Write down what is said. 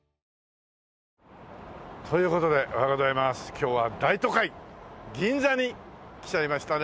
今日は大都会銀座に来ちゃいましたね。